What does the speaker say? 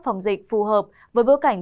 phòng dịch phù hợp với bối cảnh